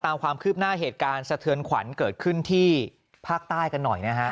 ตามความคืบหน้าเหตุการณ์สะเทือนขวัญเกิดขึ้นที่ภาคใต้กันหน่อยนะฮะ